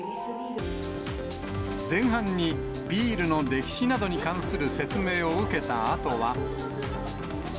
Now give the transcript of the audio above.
前半にビールの歴史などに関する説明を受けたあとは。